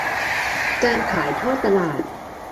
การขายทอดตลาด